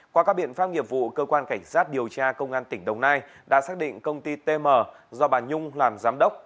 qua các biện pháp nghiệp vụ cơ quan cảnh sát điều tra công an tỉnh đồng nai đã xác định công ty tm do bà nhung làm giám đốc